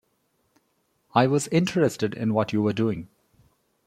I was interested in what you were doing.